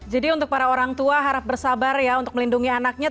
jadi untuk para orang tua harap bersabar ya untuk melindungi anaknya